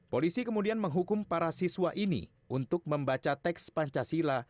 polisi kemudian menghukum para siswa ini untuk membaca teks pancasila